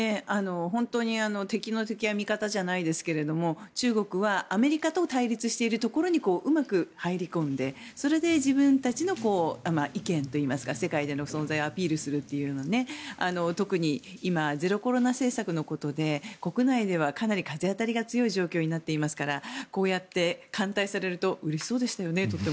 本当に敵の敵は味方じゃないですけど中国はアメリカと対立しているところにうまく入り込んで、それで自分たちの意見といいますか世界での存在をアピールするというのを特に今、ゼロコロナ政策のことで国内ではかなり風当たりが強い状況になっていますからこうやって歓待されるとうれしそうでしたよね。